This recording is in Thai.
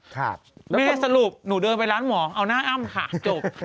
แม่สรุปหนูเดินไปร้านหมองเอาหน้าอ้ำค่ะจบ